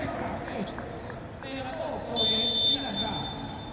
สวัสดีครับทุกคน